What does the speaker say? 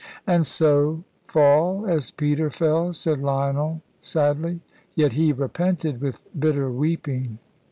"And so fall as Peter fell," said Lionel, sadly. "Yet he repented with bitter weeping."